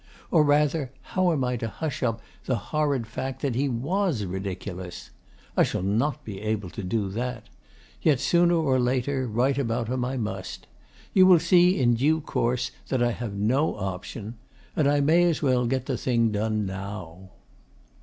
Or rather, how am I to hush up the horrid fact that he WAS ridiculous? I shall not be able to do that. Yet, sooner or later, write about him I must. You will see, in due course, that I have no option. And I may as well get the thing done now.